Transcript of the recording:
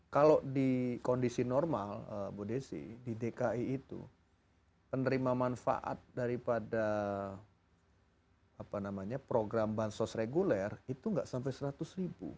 kalau di kondisi normal bu desi di dki itu penerima manfaat daripada program bansos reguler itu nggak sampai seratus ribu